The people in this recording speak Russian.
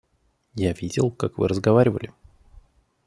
Я видел, как вы разговаривали.